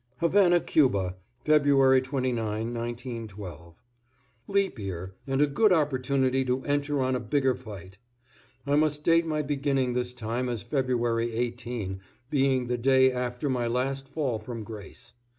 =Havana, Cuba, February 29, 1912.= Leap year and a good opportunity to enter on a bigger fight. I must date my beginning this time as February 18, being the day after my last fall from grace.